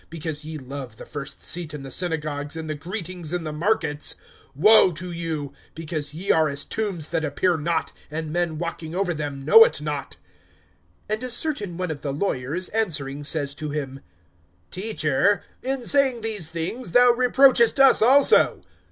because ye love the first seat in the synagogues, and the greetings in the markets. (44)Woe to you! because ye are as tombs that appear not, and men walking over them know it not. (45)And a certain one of the lawyers answering says to him: Teacher, in saying these things thou reproachest us also.